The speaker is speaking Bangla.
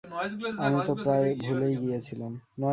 আমি তো প্রায় ভুলেই গিয়েছিলাম।